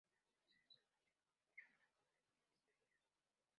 Tal suceso motivó el traslado de los ministerios.